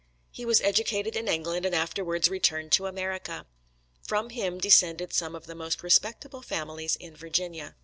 He was educated in England and afterwards returned to America. From him descended some of the most respectable families in Virginia.